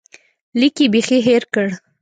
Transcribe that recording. لیک یې بیخي هېر کړ.